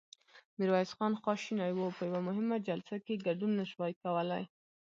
ميرويس خان خواشينی و، ده په يوه مهمه جلسه کې ګډون نه شوای کولای.